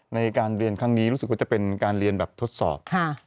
ในการเรียนครั้งนี้รู้สึกว่าจะเป็นการเรียนแบบทดสอบ